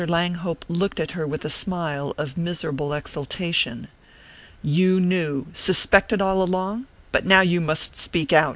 Langhope looked at her with a smile of miserable exultation. "You knew you suspected all along? But now you must speak out!"